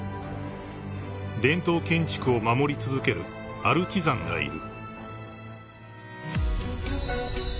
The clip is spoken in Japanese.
［伝統建築を守り続けるアルチザンがいる］